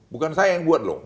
bukan saya yang buat loh